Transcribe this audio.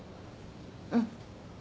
うん。